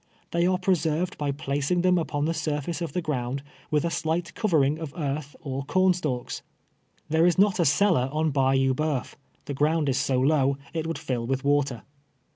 They are preserved by placing them ujion the surface of the ground, with a slight covering of earth or cornstalks. Tliere is not a cellar on Bayou Bceuf. Tlie ground is so low it would fill with water.